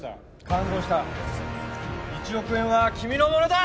感動した１億円は君のものだ！